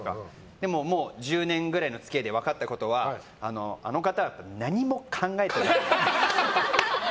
でも、もう１０年くらいの付き合いで分かったことはあの方は何も考えてない。